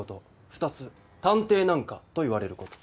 二つ「探偵なんか」と言われること。